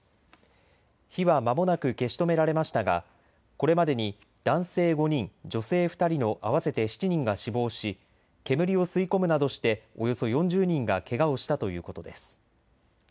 火はまもなく消し止められましたがこれまでに男性５人、女性２人の合わせて７人が死亡し煙を吸い込むなどしておよそ４０人がけがをしたということです。